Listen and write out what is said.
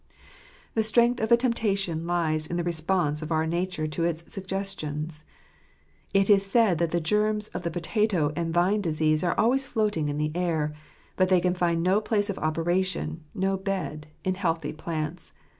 The strength of a temptation lies in the response of our nature to its suggestions. It is said that the germs of the potato and vine disease are always floating in the air ; but they can find no place of operation — no bed— in healthy plants.